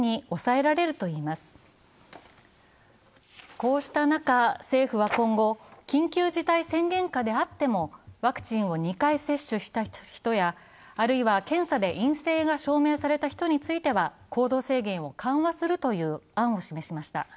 こうした中、政府は今後、緊急事態宣言下であってもワクチンを２回接種した人やあるいは検査で陰性が証明された人に対しては行動制限を緩和するという案を示しました。